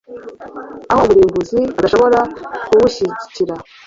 aho umurimbuzi adashobora kubushyikira.